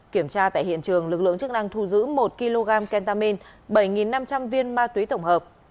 kiểm tra tại hiện trường lực lượng chức năng thu giữ một kg kentamin bảy năm trăm linh viên ma túy tổng hợp